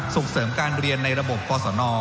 ส่งเสริมการเรียนในระบบกศน